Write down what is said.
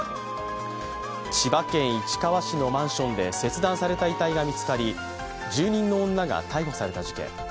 千葉県市川市のマンションで切断された遺体が見つかり、住人の女が逮捕された事件。